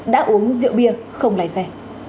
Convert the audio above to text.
đã uống rượu bia không lái xe